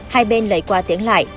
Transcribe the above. hai bên lấy qua tiếng lại